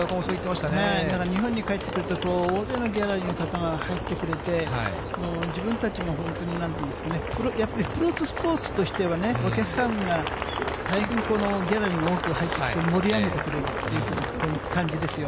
だから、日本に帰ってくると、大勢のギャラリーの方が入ってくれて、もう自分たちも本当になんていうんですかね、やっぱりプロスポーツとしてはね、お客さんが大変、このギャラリーが多く入ってきて盛り上げてくれるって感じですよ。